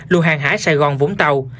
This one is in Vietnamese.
lùi hàng hải sài gòn vốn tàu